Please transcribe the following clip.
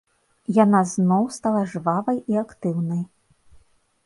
Яна зноў стала жвавай і актыўнай.